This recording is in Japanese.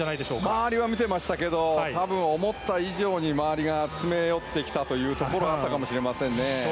周りを見ていましたけど思った以上に周りが詰め寄ってきたというところだったかもしれませんね。